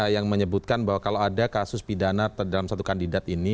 yang menyebutkan bahwa kalau ada kasus pidana dalam satu kandidat ini